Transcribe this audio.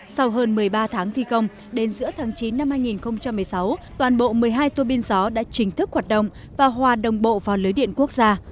sau hơn một mươi ba tháng thi công đến giữa tháng chín năm hai nghìn một mươi sáu toàn bộ một mươi hai tuô bin gió đã chính thức hoạt động và hòa đồng bộ vào lưới điện quốc gia